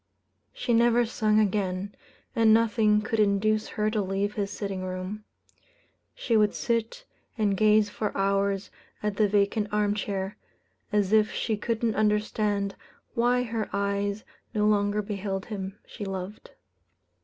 She never sung again, and nothing could induce her to leave his sitting room. She would sit and gaze for hours at the vacant arm chair, as if she couldn't understand why her eyes no longer beheld him she loved.